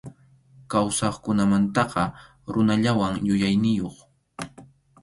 Kawsaqkunamantaqa runallam yuyayniyuq.